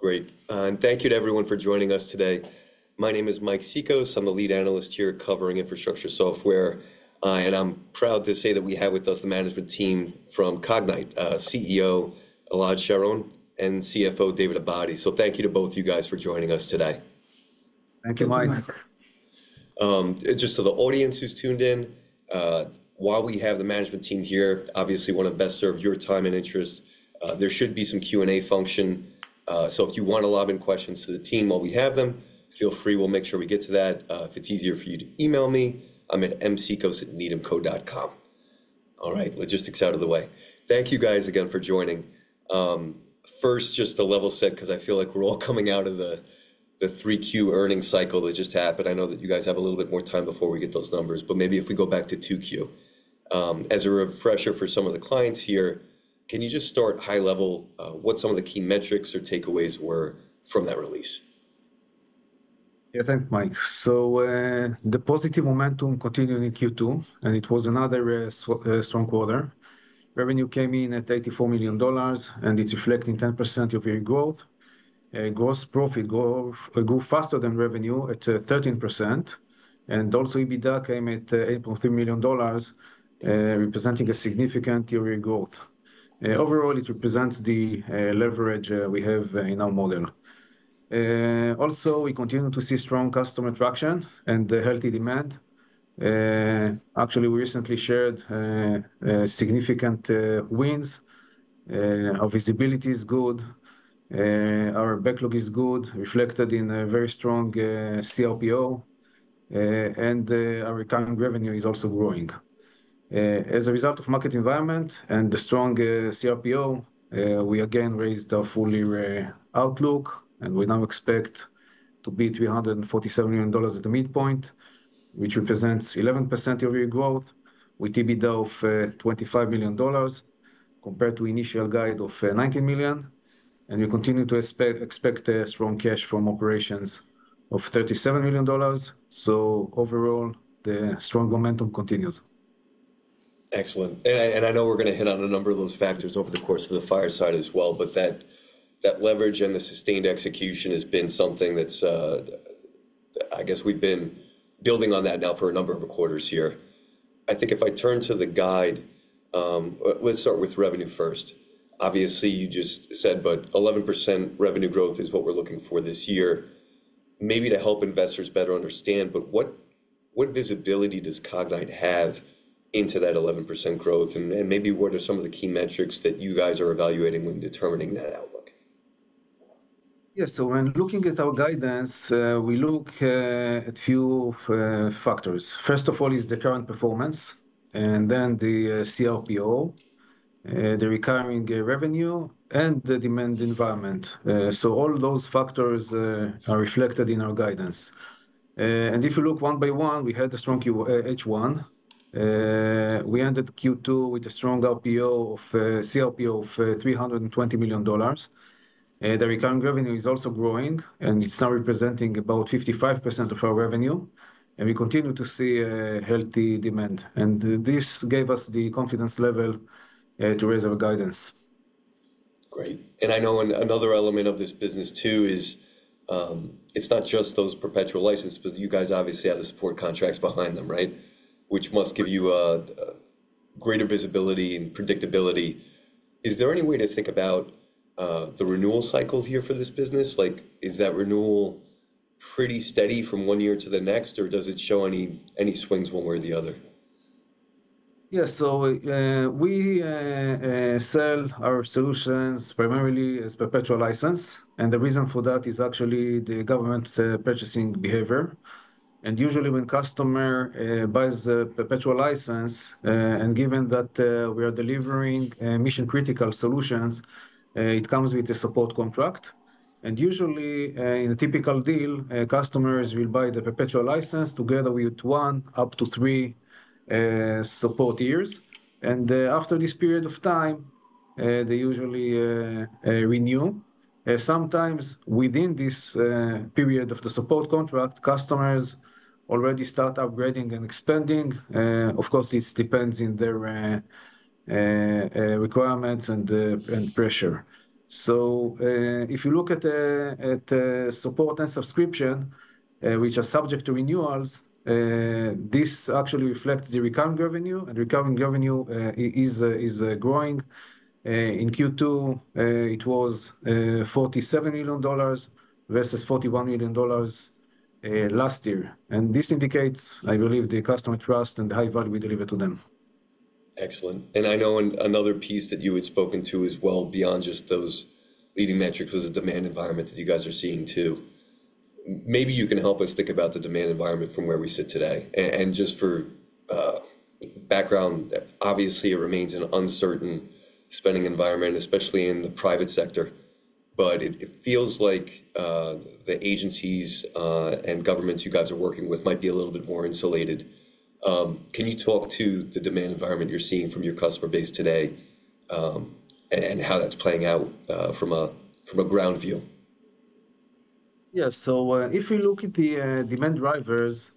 Great. And thank you to everyone for joining us today. My name is Mike Cikos. I'm the lead analyst here covering infrastructure software. And I'm proud to say that we have with us the management team from Cognyte, CEO Elad Sharon and CFO David Abadi. So thank you to both of you guys for joining us today. Thank you, Mike. Just for the audience who's tuned in, while we have the management team here, obviously, I want to best serve your time and interests. There should be some Q&A function. So if you want to lob in questions to the team while we have them, feel free. We'll make sure we get to that. If it's easier for you to email me, I'm at mcikos@needhamco.com. All right, logistics out of the way. Thank you guys again for joining. First, just to level set, because I feel like we're all coming out of the 3Q earnings cycle that just happened. I know that you guys have a little bit more time before we get those numbers, but maybe if we go back to 2Q. As a refresher for some of the clients here, can you just start high level? What some of the key metrics or takeaways were from that release? Yeah, thanks, Mike. So the positive momentum continued in Q2, and it was another strong quarter. Revenue came in at $84 million, and it's reflecting 10% year-over-year growth. Gross profit grew faster than revenue at 13%. And also, EBITDA came at $8.3 million, representing a significant year-to-year growth. Overall, it represents the leverage we have in our model. Also, we continue to see strong customer traction and healthy demand. Actually, we recently shared significant wins. Our visibility is good. Our backlog is good, reflected in a very strong CRPO. And our current revenue is also growing. As a result of the market environment and the strong CRPO, we again raised our full-year outlook. And we now expect to be $347 million at the midpoint, which represents 11% year-over-year growth, with EBITDA of $25 million compared to the initial guide of $19 million. We continue to expect strong cash from operations of $37 million. Overall, the strong momentum continues. Excellent. And I know we're going to hit on a number of those factors over the course of the fireside as well. But that leverage and the sustained execution has been something that's, I guess, we've been building on that now for a number of quarters here. I think if I turn to the guide, let's start with revenue first. Obviously, you just said. But 11% revenue growth is what we're looking for this year, maybe to help investors better understand. But what visibility does Cognyte have into that 11% growth? And maybe what are some of the key metrics that you guys are evaluating when determining that outlook? Yeah, so when looking at our guidance, we look at a few factors. First of all is the current performance, and then the CRPO, the recurring revenue, and the demand environment. So all those factors are reflected in our guidance. And if you look one by one, we had a strong H1. We ended Q2 with a strong CRPO of $320 million. The recurring revenue is also growing, and it's now representing about 55% of our revenue. And we continue to see healthy demand. And this gave us the confidence level to raise our guidance. Great. And I know another element of this business, too, is it's not just those perpetual licenses, but you guys obviously have the support contracts behind them, right, which must give you greater visibility and predictability. Is there any way to think about the renewal cycle here for this business? Like, is that renewal pretty steady from one year to the next, or does it show any swings one way or the other? Yeah, so we sell our solutions primarily as perpetual license. And the reason for that is actually the government purchasing behavior. And usually, when a customer buys a perpetual license, and given that we are delivering mission-critical solutions, it comes with a support contract. And usually, in a typical deal, customers will buy the perpetual license together with one, up to three support years. And after this period of time, they usually renew. Sometimes within this period of the support contract, customers already start upgrading and expanding. Of course, this depends on their requirements and pressure. So if you look at support and subscription, which are subject to renewals, this actually reflects the recurring revenue. And recurring revenue is growing. In Q2, it was $47 million versus $41 million last year. And this indicates, I believe, the customer trust and the high value we deliver to them. Excellent, and I know another piece that you had spoken to as well beyond just those leading metrics was the demand environment that you guys are seeing, too. Maybe you can help us think about the demand environment from where we sit today, and just for background, obviously, it remains an uncertain spending environment, especially in the private sector, but it feels like the agencies and governments you guys are working with might be a little bit more insulated. Can you talk to the demand environment you're seeing from your customer base today and how that's playing out from a ground view? Yeah, so if we look at the demand drivers,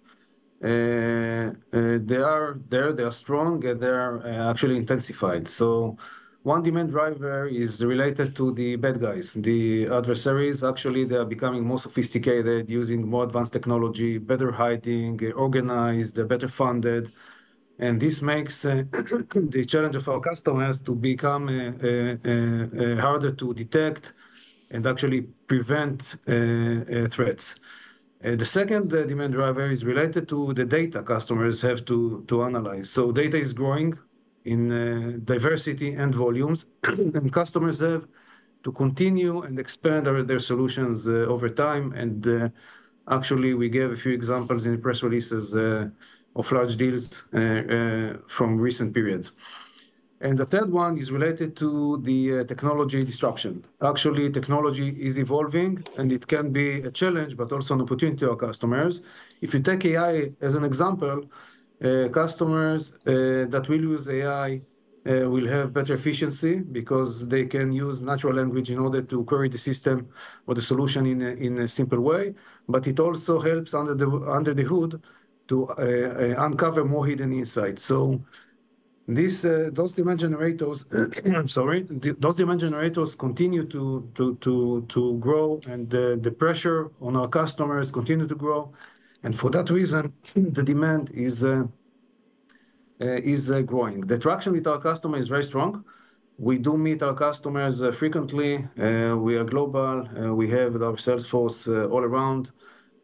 they are strong, and they are actually intensified, so one demand driver is related to the bad guys, the adversaries. Actually, they are becoming more sophisticated, using more advanced technology, better hiding, organized, better funded, and this makes the challenge of our customers to become harder to detect and actually prevent threats. The second demand driver is related to the data customers have to analyze, so data is growing in diversity and volumes, and customers have to continue and expand their solutions over time, and actually, we gave a few examples in press releases of large deals from recent periods, and the third one is related to the technology disruption. Actually, technology is evolving, and it can be a challenge, but also an opportunity to our customers. If you take AI as an example, customers that will use AI will have better efficiency because they can use natural language in order to query the system or the solution in a simple way, but it also helps under the hood to uncover more hidden insights, so those demand generators continue to grow, and the pressure on our customers continues to grow, and for that reason, the demand is growing. The traction with our customers is very strong. We do meet our customers frequently. We are global. We have our sales force all around.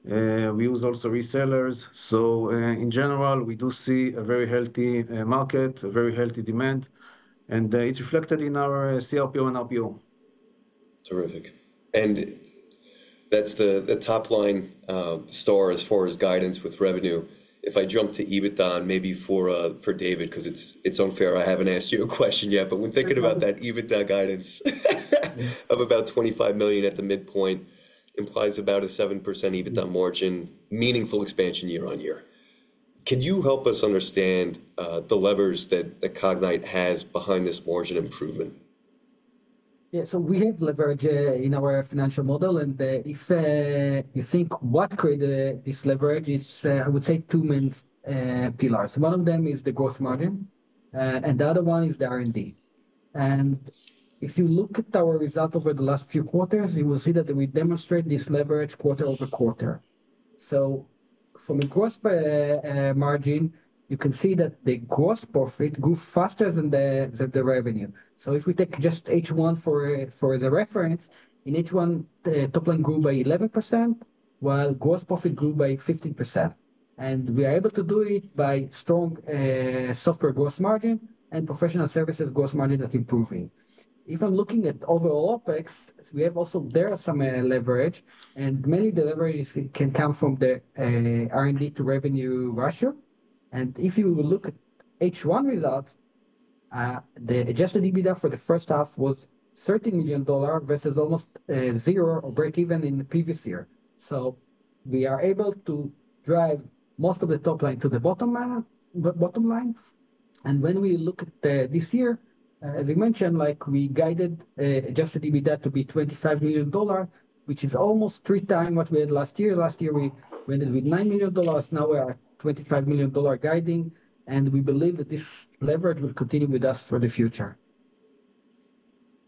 We use also resellers. So in general, we do see a very healthy market, a very healthy demand, and it's reflected in our CRPO and RPO. Terrific, and that's the top line star as far as guidance with revenue. If I jump to EBITDA, and maybe for David, because it's unfair I haven't asked you a question yet, but when thinking about that EBITDA guidance of about $25 million at the midpoint, it implies about a 7% EBITDA margin, meaningful expansion year-on-year. Can you help us understand the levers that Cognyte has behind this margin improvement? Yeah, so we have leverage in our financial model. And if you think what created this leverage, it's, I would say, two main pillars. One of them is the gross margin, and the other one is the R&D. And if you look at our result over the last few quarters, you will see that we demonstrate this leverage quarter-over-quarter. So from a gross margin, you can see that the gross profit grew faster than the revenue. So if we take just H1 for the reference, in H1, the top line grew by 11%, while gross profit grew by 15%. And we are able to do it by strong software gross margin and professional services gross margin that's improving. If I'm looking at overall OPEX, we have also there some leverage. And many of the leverage can come from the R&D to revenue ratio. And if you look at H1 result, the adjusted EBITDA for the first half was $13 million versus almost zero or break even in the previous year. So we are able to drive most of the top line to the bottom line. And when we look at this year, as we mentioned, we guided adjusted EBITDA to be $25 million, which is almost three times what we had last year. Last year, we ended with $9 million. Now we are at $25 million guiding. And we believe that this leverage will continue with us for the future.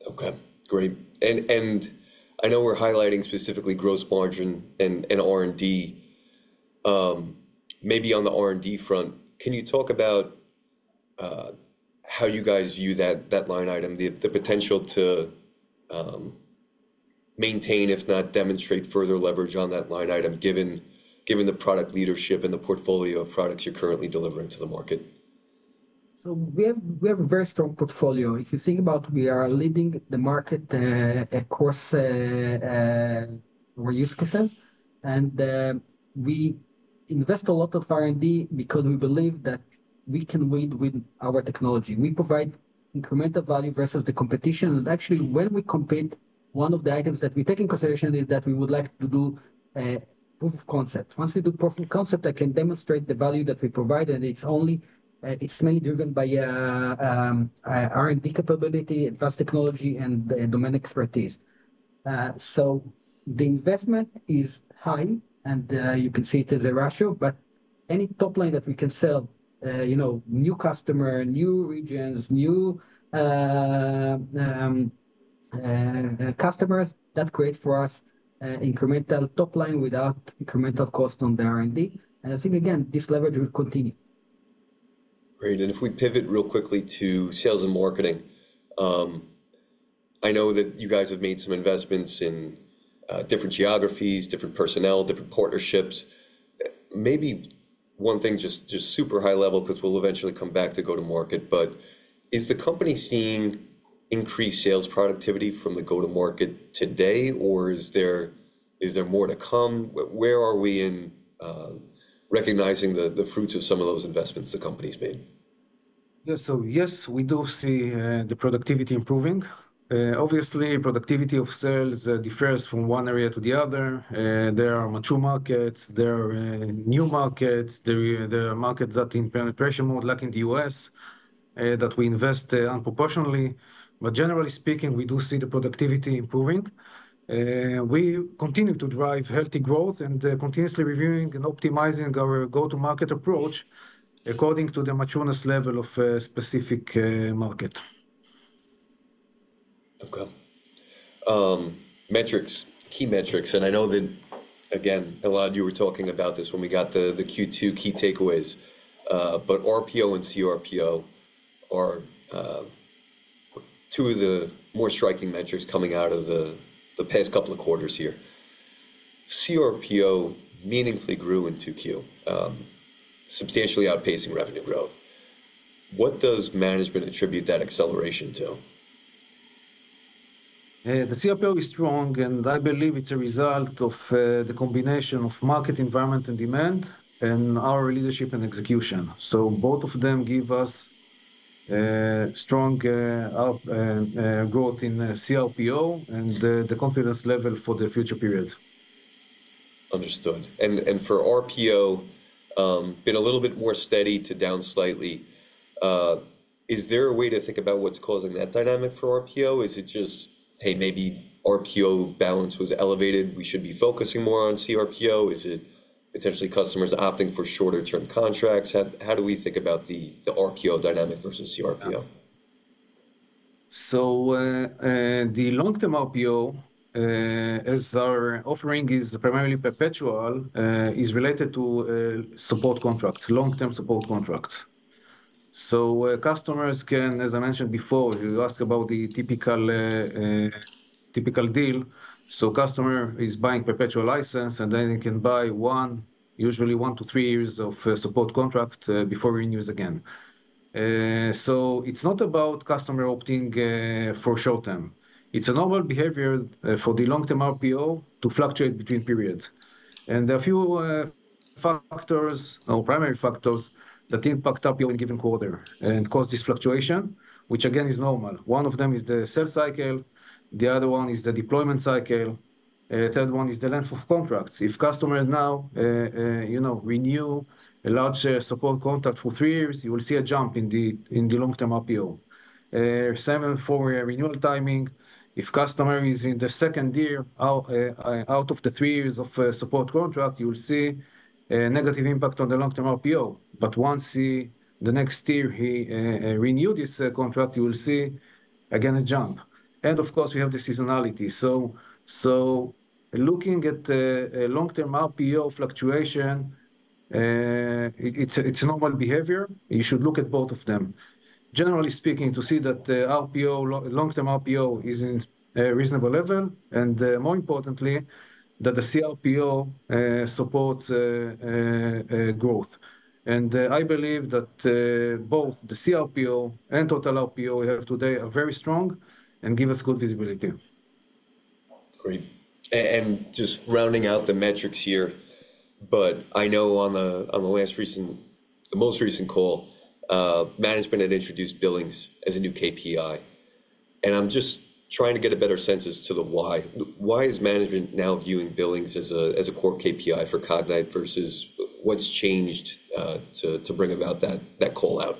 OK, great. And I know we're highlighting specifically gross margin and R&D. Maybe on the R&D front, can you talk about how you guys view that line item, the potential to maintain, if not demonstrate further leverage on that line item, given the product leadership and the portfolio of products you're currently delivering to the market? So we have a very strong portfolio. If you think about, we are leading the market across our use cases. And we invest a lot of R&D because we believe that we can win with our technology. We provide incremental value versus the competition. And actually, when we compete, one of the items that we take into consideration is that we would like to do proof of concept. Once we do proof of concept, I can demonstrate the value that we provide. And it's mainly driven by R&D capability, advanced technology, and domain expertise. So the investment is high, and you can see it as a ratio. But any top line that we can sell, new customer, new regions, new customers, that creates for us incremental top line without incremental cost on the R&D. And I think, again, this leverage will continue. Great, and if we pivot real quickly to sales and marketing, I know that you guys have made some investments in different geographies, different personnel, different partnerships. Maybe one thing just super high level, because we'll eventually come back to go-to-market, but is the company seeing increased sales productivity from the go-to-market today, or is there more to come? Where are we in recognizing the fruits of some of those investments the company's made? Yeah, so yes, we do see the productivity improving. Obviously, productivity of sales differs from one area to the other. There are mature markets. There are new markets. There are markets that are in penetration mode, like in the U.S., that we invest disproportionately. But generally speaking, we do see the productivity improving. We continue to drive healthy growth and continuously reviewing and optimizing our go-to-market approach according to the matureness level of a specific market. OK, metrics, key metrics, and I know that, again, Elad, you were talking about this when we got the Q2 key takeaways, but RPO and CRPO are two of the more striking metrics coming out of the past couple of quarters here. CRPO meaningfully grew in Q2, substantially outpacing revenue growth. What does management attribute that acceleration to? The CRPO is strong, and I believe it's a result of the combination of market environment and demand and our leadership and execution, so both of them give us strong growth in CRPO and the confidence level for the future periods. Understood. And for RPO, been a little bit more steady to down slightly. Is there a way to think about what's causing that dynamic for RPO? Is it just, hey, maybe RPO balance was elevated. We should be focusing more on CRPO? Is it potentially customers opting for shorter-term contracts? How do we think about the RPO dynamic versus CRPO? So the long-term RPO, as our offering is primarily perpetual, is related to support contracts, long-term support contracts. So customers can, as I mentioned before, you ask about the typical deal. So a customer is buying a perpetual license, and then they can buy one, usually one to three years of support contract before renews again. So it's not about customer opting for short term. It's a normal behavior for the long-term RPO to fluctuate between periods. And there are a few factors, or primary factors, that impact RPO in a given quarter and cause this fluctuation, which, again, is normal. One of them is the sales cycle. The other one is the deployment cycle. The third one is the length of contracts. If customers now renew a large support contract for three years, you will see a jump in the long-term RPO. Same for renewal timing. If a customer is in the second year out of the three years of support contract, you will see a negative impact on the long-term RPO, but once the next year he renewed his contract, you will see again a jump, and of course, we have the seasonality, so looking at long-term RPO fluctuation, it's normal behavior. You should look at both of them, generally speaking, to see that long-term RPO is in a reasonable level, and more importantly, that the CRPO supports growth, and I believe that both the CRPO and total RPO we have today are very strong and give us good visibility. Great. And just rounding out the metrics here, but I know on the most recent call, management had introduced Billings as a new KPI. And I'm just trying to get a better sense as to the why. Why is management now viewing Billings as a core KPI for Cognyte versus what's changed to bring about that call out?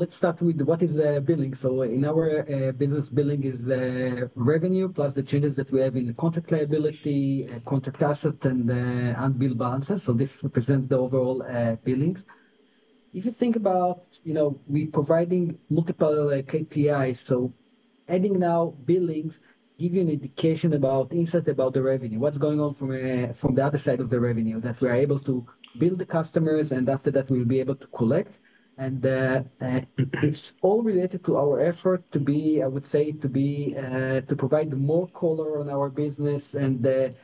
Let's start with what is billing. So in our business, billing is revenue plus the changes that we have in contract liability, contract assets, and unbilled balances. So this represents the overall billings. If you think about we providing multiple KPIs, so adding now billings gives you an indication about insight about the revenue, what's going on from the other side of the revenue that we are able to bill the customers, and after that, we'll be able to collect. And it's all related to our effort to be, I would say, to provide more color on our business and to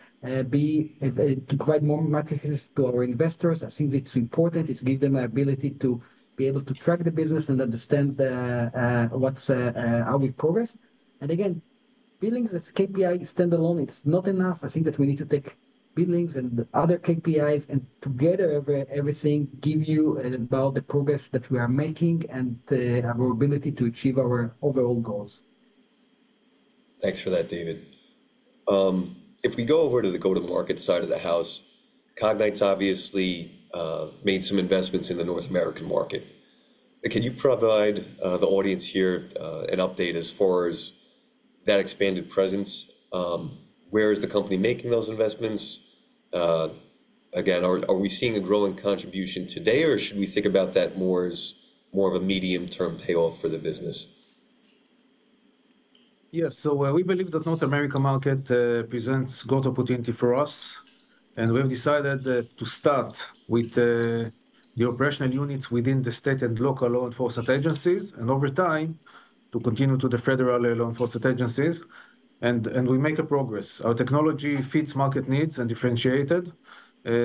provide more metrics to our investors. I think it's important. It gives them an ability to be able to track the business and understand how we progress. And again, billing as KPI standalone, it's not enough. I think that we need to take Billings and other KPIs and together everything give you about the progress that we are making and our ability to achieve our overall goals. Thanks for that, David. If we go over to the go-to-market side of the house, Cognyte's obviously made some investments in the North American market. Can you provide the audience here an update as far as that expanded presence? Where is the company making those investments? Again, are we seeing a growing contribution today, or should we think about that more as a medium-term payoff for the business? Yes, so we believe that North America market presents growth opportunity for us, and we have decided to start with the operational units within the state and local law enforcement agencies, and over time to continue to the federal law enforcement agencies, and we make a progress. Our technology fits market needs and differentiated.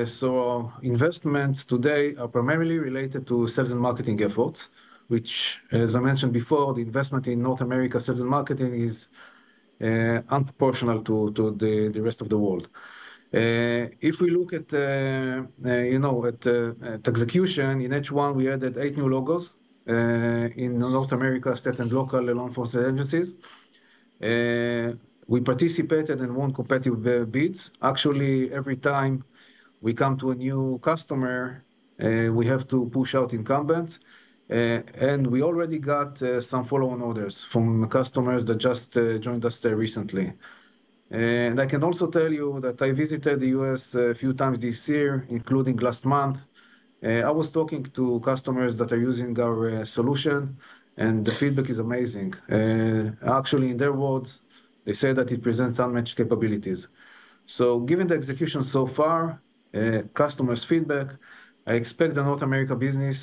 So investments today are primarily related to sales and marketing efforts, which, as I mentioned before, the investment in North America sales and marketing is disproportionate to the rest of the world. If we look at execution, in H1, we added eight new logos in North America, state and local law enforcement agencies. We participated in one competitive bids. Actually, every time we come to a new customer, we have to push out incumbents, and we already got some follow-on orders from customers that just joined us recently. I can also tell you that I visited the U.S. a few times this year, including last month. I was talking to customers that are using our solution, and the feedback is amazing. Actually, in their words, they say that it presents unmatched capabilities. Given the execution so far, customers' feedback, I expect the North America business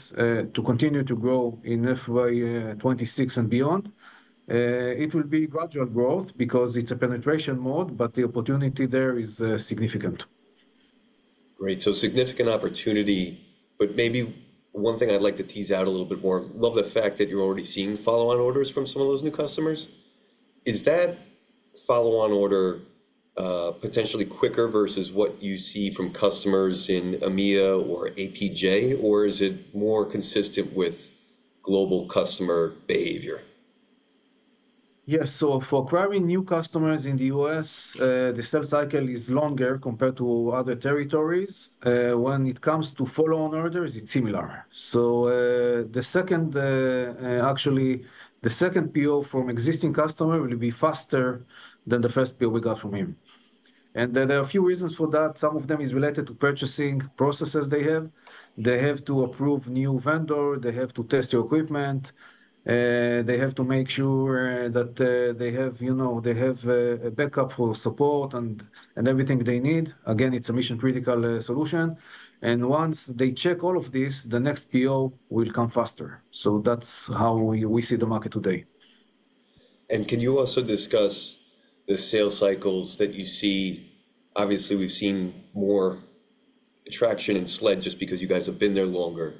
to continue to grow in FY 26 and beyond. It will be gradual growth because it's a penetration mode, but the opportunity there is significant. Great. So significant opportunity. But maybe one thing I'd like to tease out a little bit more. I love the fact that you're already seeing follow-on orders from some of those new customers. Is that follow-on order potentially quicker versus what you see from customers in EMEA or APJ, or is it more consistent with global customer behavior? Yes, so for acquiring new customers in the U.S., the sales cycle is longer compared to other territories. When it comes to follow-on orders, it's similar. So the second, actually, the second PO from an existing customer will be faster than the first PO we got from him. And there are a few reasons for that. Some of them are related to purchasing processes they have. They have to approve new vendors. They have to test your equipment. They have to make sure that they have a backup for support and everything they need. Again, it's a mission-critical solution. And once they check all of this, the next PO will come faster. So that's how we see the market today. Can you also discuss the sales cycles that you see? Obviously, we've seen more traction in SLED just because you guys have been there longer,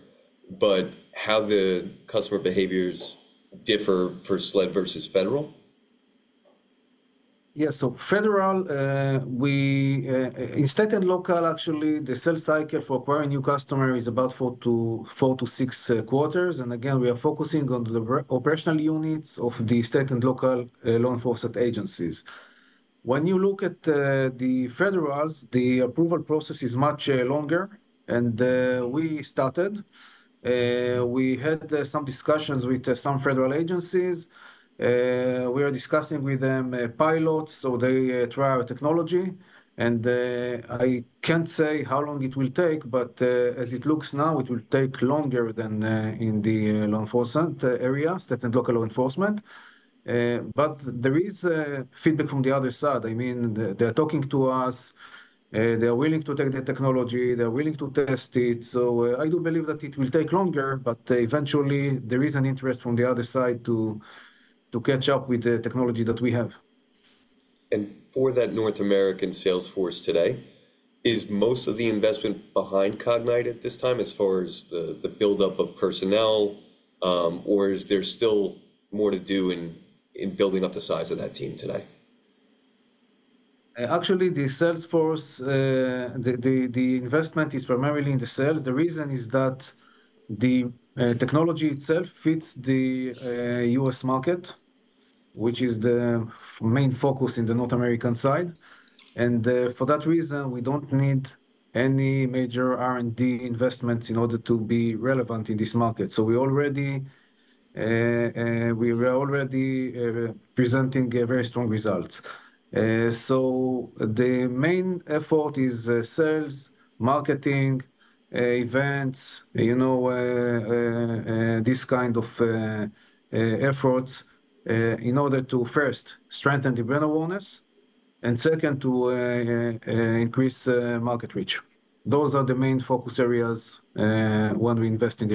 but how the customer behaviors differ for SLED versus federal? Yes, so federal, in state and local, actually, the sales cycle for acquiring new customers is about four to six quarters, and again, we are focusing on the operational units of the state and local law enforcement agencies. When you look at the federals, the approval process is much longer, and we started. We had some discussions with some federal agencies. We are discussing with them pilots, so they try our technology, and I can't say how long it will take, but as it looks now, it will take longer than in the law enforcement area, state and local law enforcement, but there is feedback from the other side. I mean, they're talking to us. They are willing to take the technology. They're willing to test it. So I do believe that it will take longer, but eventually, there is an interest from the other side to catch up with the technology that we have. For that North American sales force today, is most of the investment behind Cognyte at this time as far as the buildup of personnel, or is there still more to do in building up the size of that team today? Actually, the sales force, the investment is primarily in the sales. The reason is that the technology itself fits the U.S. market, which is the main focus in the North American side, and for that reason, we don't need any major R&D investments in order to be relevant in this market, so we are already presenting very strong results, so the main effort is sales, marketing, events, this kind of efforts in order to, first, strengthen the brand awareness, and second, to increase market reach. Those are the main focus areas when we invest in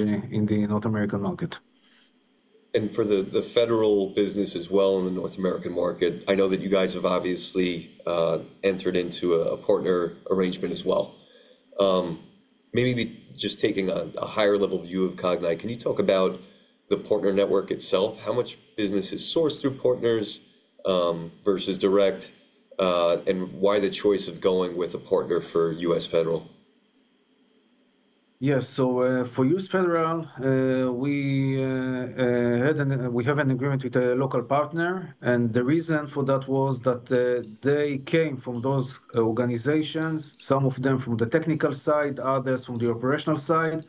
the North American market. For the federal business as well in the North American market, I know that you guys have obviously entered into a partner arrangement as well. Maybe just taking a higher-level view of Cognyte, can you talk about the partner network itself? How much business is sourced through partners versus direct, and why the choice of going with a partner for U.S. federal? Yes, so for U.S. federal, we have an agreement with a local partner. And the reason for that was that they came from those organizations, some of them from the technical side, others from the operational side.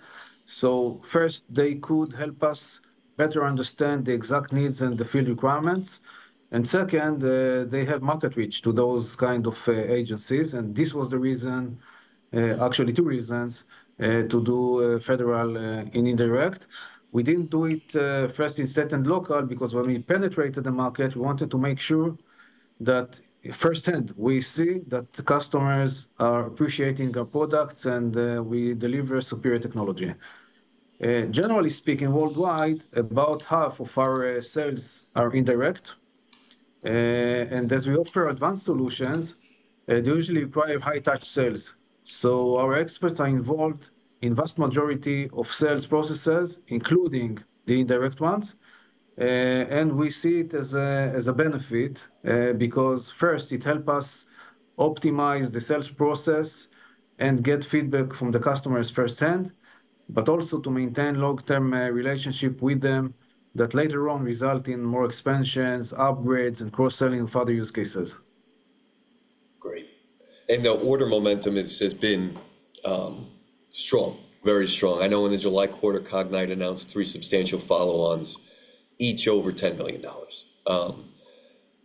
So first, they could help us better understand the exact needs and the field requirements. And second, they have market reach to those kinds of agencies. And this was the reason, actually two reasons, to do federal indirect. We didn't do it first in state and local because when we penetrated the market, we wanted to make sure that firsthand we see that the customers are appreciating our products and we deliver superior technology. Generally speaking, worldwide, about half of our sales are indirect. And as we offer advanced solutions, they usually require high-touch sales. So our experts are involved in the vast majority of sales processes, including the indirect ones. We see it as a benefit because, first, it helps us optimize the sales process and get feedback from the customers firsthand, but also to maintain a long-term relationship with them that later on results in more expansions, upgrades, and cross-selling for other use cases. Great. And the order momentum has been strong, very strong. I know in the July quarter, Cognyte announced three substantial follow-ons, each over $10 million.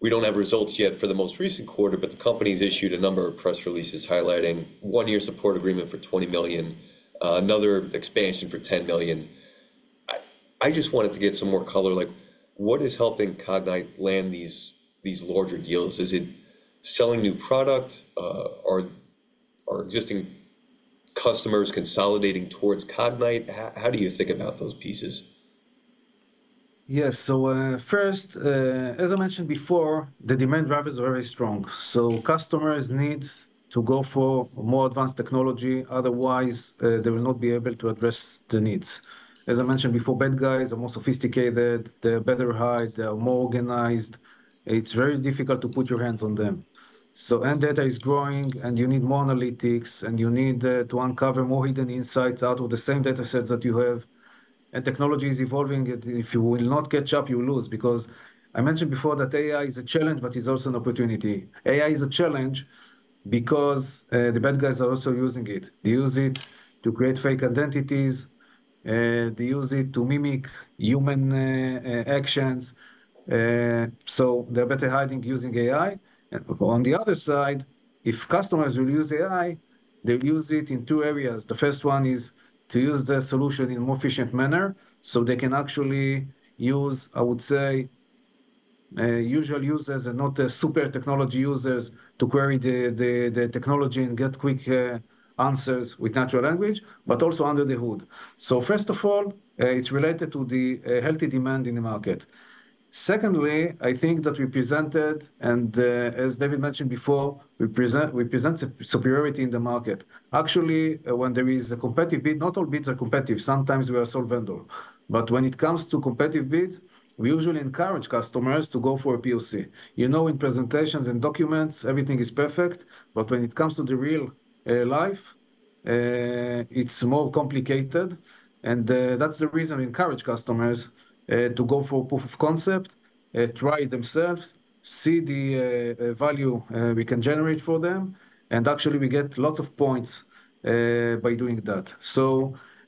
We don't have results yet for the most recent quarter, but the company has issued a number of press releases highlighting one-year support agreement for $20 million, another expansion for $10 million. I just wanted to get some more color. What is helping Cognyte land these larger deals? Is it selling new product? Are existing customers consolidating towards Cognyte? How do you think about those pieces? Yes, so first, as I mentioned before, the demand drivers are very strong. So customers need to go for more advanced technology. Otherwise, they will not be able to address the needs. As I mentioned before, bad guys are more sophisticated. They're better hyped. They're more organized. It's very difficult to put your hands on them, so that is growing, and you need more analytics, and you need to uncover more hidden insights out of the same data sets that you have, and technology is evolving. If you will not catch up, you'll lose because I mentioned before that AI is a challenge, but it's also an opportunity. AI is a challenge because the bad guys are also using it. They use it to create fake identities. They use it to mimic human actions, so they're better hiding using AI. On the other side, if customers will use AI, they'll use it in two areas. The first one is to use the solution in a more efficient manner so they can actually use, I would say, usual users and not super technology users to query the technology and get quick answers with natural language, but also under the hood. So first of all, it's related to the healthy demand in the market. Secondly, I think that we presented, and as David mentioned before, we present superiority in the market. Actually, when there is a competitive bid, not all bids are competitive. Sometimes we are a sole vendor. But when it comes to competitive bids, we usually encourage customers to go for a POC. You know, in presentations and documents, everything is perfect. But when it comes to the real life, it's more complicated. That's the reason we encourage customers to go for a proof of concept, try it themselves, see the value we can generate for them. Actually, we get lots of points by doing that.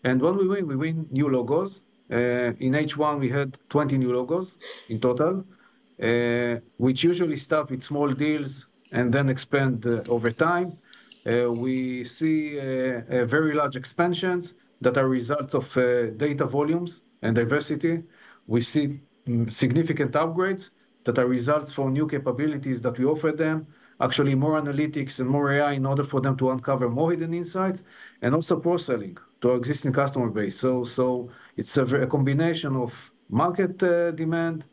When we win, we win new logos. In H1, we had 20 new logos in total, which usually start with small deals and then expand over time. We see very large expansions that are results of data volumes and diversity. We see significant upgrades that are results for new capabilities that we offer them, actually more analytics and more AI in order for them to uncover more hidden insights and also cross-selling to our existing customer base. It's a combination of market demand,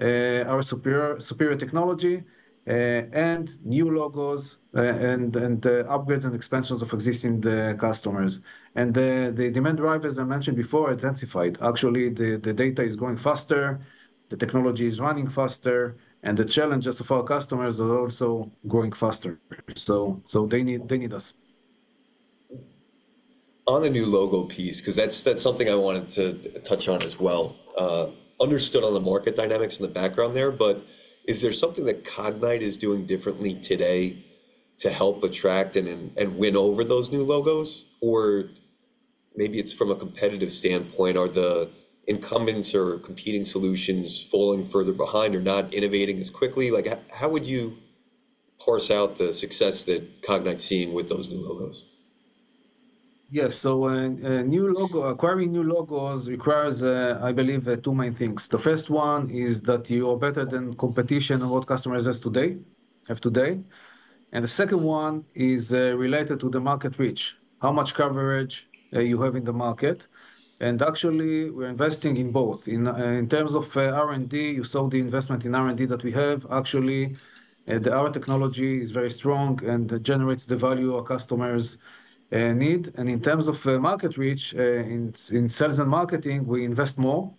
our superior technology, and new logos and upgrades and expansions of existing customers. The demand drive, as I mentioned before, intensified. Actually, the data is growing faster. The technology is running faster. And the challenges of our customers are also growing faster. So they need us. On the new logo piece, because that's something I wanted to touch on as well, understood on the market dynamics and the background there, but is there something that Cognyte is doing differently today to help attract and win over those new logos? Or maybe it's from a competitive standpoint, are the incumbents or competing solutions falling further behind or not innovating as quickly? How would you parse out the success that Cognyte is seeing with those new logos? Yes, so acquiring new logos requires, I believe, two main things. The first one is that you are better than competition and what customers have today. And the second one is related to the market reach, how much coverage you have in the market. And actually, we're investing in both. In terms of R&D, you saw the investment in R&D that we have. Actually, our technology is very strong and generates the value our customers need. And in terms of market reach, in sales and marketing, we invest more.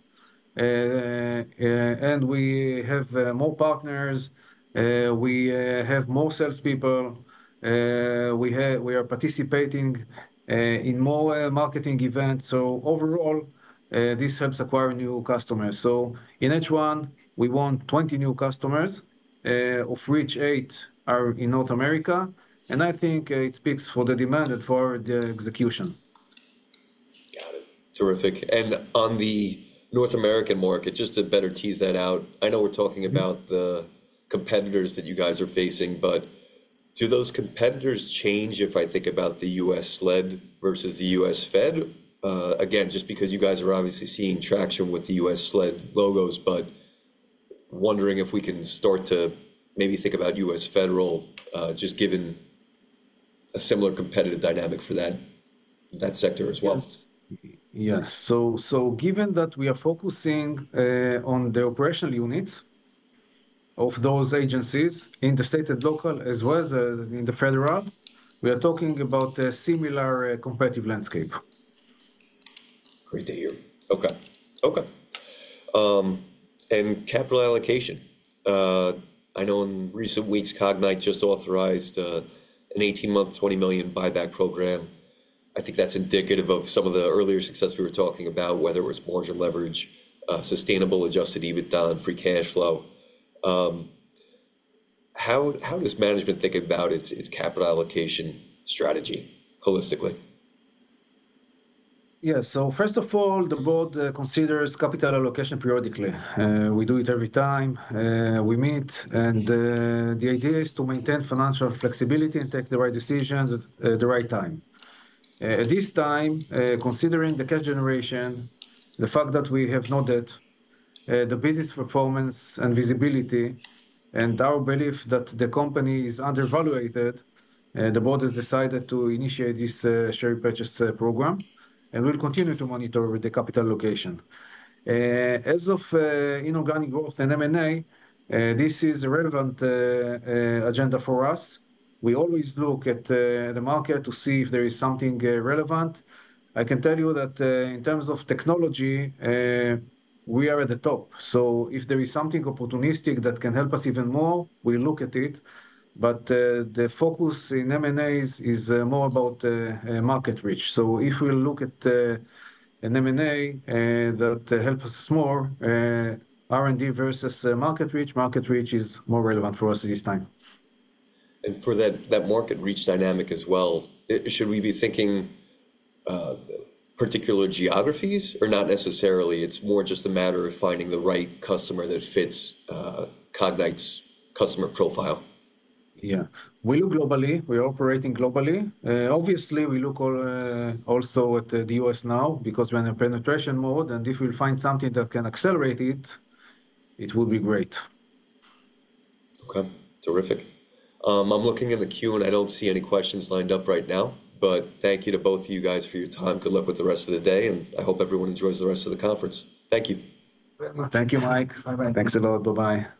And we have more partners. We have more salespeople. We are participating in more marketing events. So overall, this helps acquire new customers. So in H1, we want 20 new customers, of which eight are in North America. And I think it speaks for the demand and for the execution. Got it. Terrific. And on the North American market, just to better tease that out, I know we're talking about the competitors that you guys are facing, but do those competitors change if I think about the U.S. SLED versus the U.S. federal? Again, just because you guys are obviously seeing traction with the U.S. SLED logos, but wondering if we can start to maybe think about U.S. federal, just given a similar competitive dynamic for that sector as well. Yes, so given that we are focusing on the operational units of those agencies in the State and Local as well as in the Federal, we are talking about a similar competitive landscape. Great to hear. Okay. And capital allocation. I know in recent weeks, Cognyte just authorized an 18-month, $20 million buyback program. I think that's indicative of some of the earlier success we were talking about, whether it was margin leverage, sustainable adjusted EBITDA, and free cash flow. How does management think about its capital allocation strategy holistically? Yes. So first of all, the board considers capital allocation periodically. We do it every time we meet. And the idea is to maintain financial flexibility and take the right decisions at the right time. At this time, considering the cash generation, the fact that we have noted the business performance and visibility, and our belief that the company is undervalued, the board has decided to initiate this share purchase program. And we'll continue to monitor with the capital allocation. As for inorganic growth and M&A, this is a relevant agenda for us. We always look at the market to see if there is something relevant. I can tell you that in terms of technology, we are at the top. So if there is something opportunistic that can help us even more, we'll look at it. But the focus in M&As is more about market reach. So if we look at an M&A that helps us more, R&D versus market reach, market reach is more relevant for us at this time. And for that market reach dynamic as well, should we be thinking particular geographies or not necessarily? It's more just a matter of finding the right customer that fits Cognyte's customer profile. Yeah. We look globally. We are operating globally. Obviously, we look also at the U.S. now because we're in a penetration mode, and if we find something that can accelerate it, it would be great. Okay. Terrific. I'm looking at the Q, and I don't see any questions lined up right now, but thank you to both of you guys for your time. Good luck with the rest of the day. I hope everyone enjoys the rest of the conference. Thank you. Thank you, Mike. Bye-bye. Thanks a lot. Bye-bye. Bye.